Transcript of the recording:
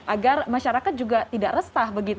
agar masyarakat juga tidak restah begitu ya